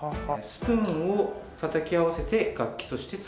スプーンをたたき合わせて楽器として使うという。